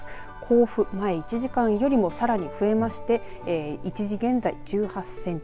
甲府、１時間よりもさらに増えて１時現在１８センチ